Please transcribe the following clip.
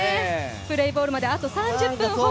プレーボールまであと３０分ほど。